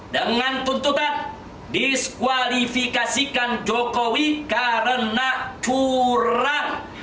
dengan tuntutan diskualifikasikan jokowi karena curang